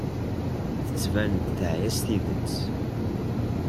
Tettban-d teɛya s tidet.